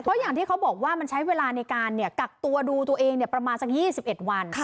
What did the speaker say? เพราะอย่างที่เขาบอกว่ามันใช้เวลาในการกักตัวดูตัวเองประมาณสัก๒๑วัน